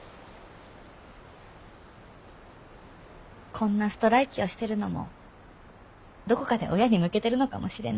こんなストライキをしてるのもどこかで親に向けてるのかもしれない。